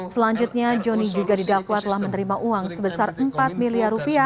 selanjutnya joni juga didakwa telah menerima uang sebesar empat miliar rupiah